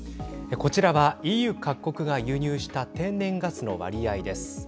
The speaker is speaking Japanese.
こちらはＥＵ各国が輸入した天然ガスの割合です。